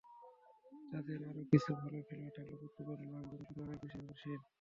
তাদের আরও কিছু ভালো খেলোয়াড় থাকলেও, পর্তুগাল রোনালদোর ওপরই অনেক বেশি নির্ভরশীল।